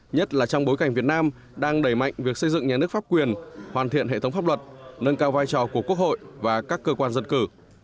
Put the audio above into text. nhất là trong bối cảnh việt nam đang đẩy mạnh việc xây dựng nhà nước pháp quyền hoàn thiện hệ thống pháp luật nâng cao vai trò của quốc hội và các cơ quan dân cử